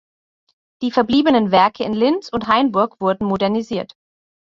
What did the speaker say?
Die verbliebenen Werke in Linz und Hainburg wurden modernisiert.